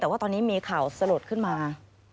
แต่ว่าตอนนี้มีข่าวสลดขึ้นมา